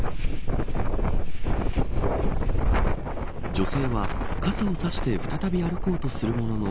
女性は傘を差して再び歩こうとするものの